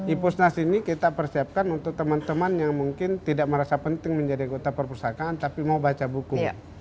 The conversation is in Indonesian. ipusnas ini kita persiapkan untuk teman teman yang mungkin tidak merasa penting menjadi kota perpustakaan tapi mau baca buku